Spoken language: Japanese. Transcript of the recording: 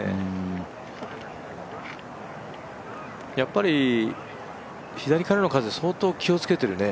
やっぱり、左からの風、相当気をつけてるね。